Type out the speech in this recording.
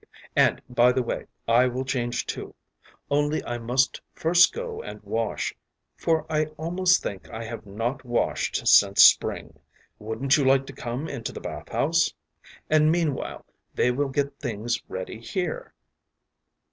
And, by the way, I will change too. Only I must first go and wash, for I almost think I have not washed since spring. Wouldn’t you like to come into the bath house? and meanwhile they will get things ready here.